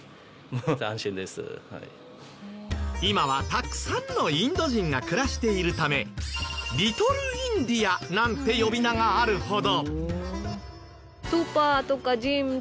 今はたくさんのインド人が暮らしているためリトル・インディアなんて呼び名があるほど。